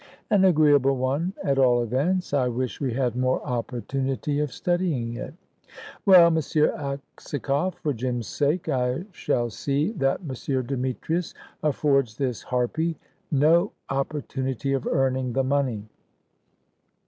"An agreeable one, at all events. I wish we had more opportunity of studying it. Well, M. Aksakoff, for Jim's sake, I shall see that M. Demetrius affords this harpy no opportunity of earning the money."